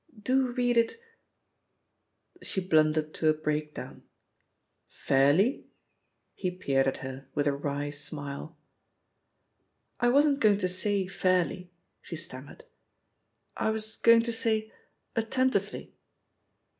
Do read it She blundered to a breakdown. " Tairly' ?'* He peered at her, with a wry smile. "I wasn't going to say 'fairly,'" she stam mered, "I was going to say 'attentively.'